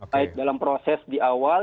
baik dalam proses di awal